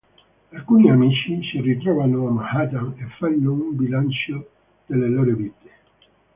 Alcuni amici si ritrovano a Manhattan e fanno un bilancio delle loro vite.